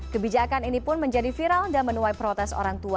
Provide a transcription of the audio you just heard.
kebijakan ini pun menjadi viral dan menuai protes orang tua